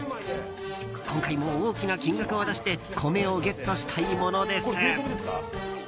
今回も大きな金額を出して米をゲットしたいものです。